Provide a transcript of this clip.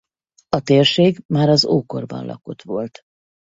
A térség már az ókorban lakott volt.